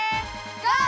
ゴー！